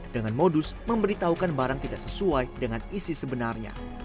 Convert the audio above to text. dengan modus memberitahukan barang tidak sesuai dengan isi sebenarnya